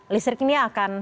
listrik ini akan